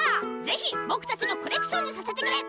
ぜひぼくたちのコレクションにさせてくれ！